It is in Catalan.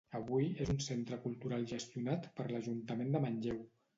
Avui és un centre cultural gestionat per l'Ajuntament de Manlleu.